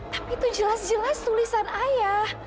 tapi itu jelas jelas tulisan ayah